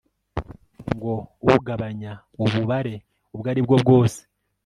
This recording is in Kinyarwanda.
ngo ugabanya ububare ubwo ari bwo bwose